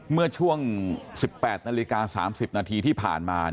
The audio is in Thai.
เมื่อช่วง๑๘นาฬิกา๓๐นาทีที่ผ่านมา